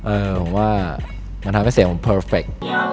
เออผมว่ามันทำให้เสียงผมเพอร์เฟค